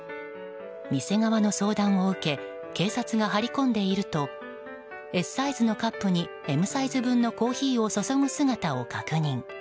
店側の相談を受け警察が張り込んでいるとＳサイズのカップにＭサイズ分のコーヒーを注ぐ姿を確認。